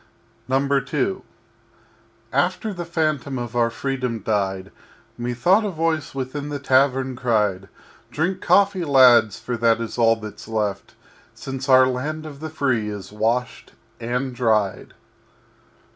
II After the phantom of our Freedom died Methought a Voice within the Tavern cried: "Drink coffee, Lads, for that is all that's left Since our Land of the Free is washed and dried."